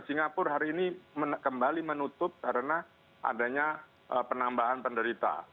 singapura hari ini kembali menutup karena adanya penambahan penderita